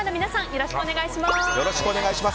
よろしくお願いします。